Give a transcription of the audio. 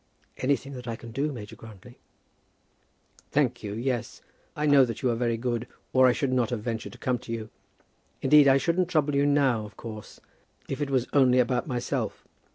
"Anything that I can do, Major Grantly " "Thank you, yes. I know that you are very good, or I should not have ventured to come to you. Indeed I shouldn't trouble you now, of course, if it was only about myself.